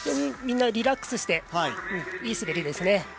みんなリラックスしていい滑りですね。